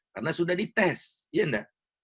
karena sudah dites ya nggak